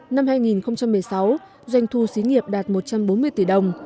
năm hai nghìn một mươi sáu doanh thu xí nghiệp đạt một trăm bốn mươi tỷ đồng